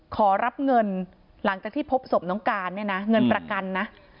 ขอรับเงินหลังจากที่พบศพน้องการเนี่ยนะเงินประกันนะ